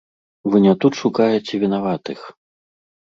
Вы не тут шукаеце вінаватых!